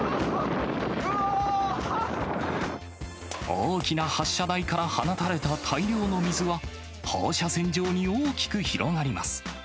大きな発射台から放たれた大量の水は、放射線状に大きく広がります。